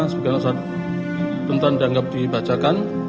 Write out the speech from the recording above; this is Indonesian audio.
sebagai yang sudah dianggap dibacakan